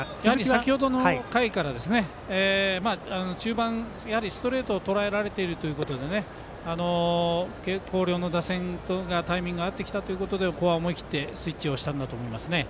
先ほどの回から中盤、ストレートをとらえられているということで広陵の打線がタイミング合ってきたということでここは思い切ってスイッチをしたんだと思います。